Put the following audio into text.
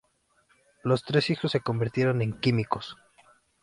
Los tres hijos se convirtieron en químicos.